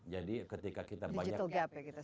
jadi ketika kita banyak